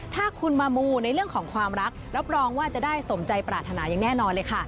ถ้าคุณมามูในเรื่องของความรักรับรองว่าจะได้สมใจปรารถนาอย่างแน่นอนเลยค่ะ